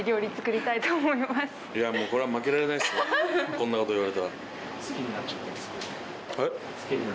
こんなこと言われたら。